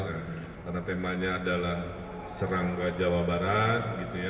karena temanya adalah serangga jawa barat